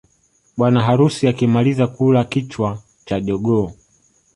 Bwana harusi akimaliza kula kichwa cha jogoo